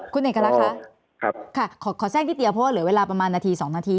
คุณเอกลักษณ์คะขอแทรกนิดเดียวเพราะว่าเหลือเวลาประมาณนาที๒นาที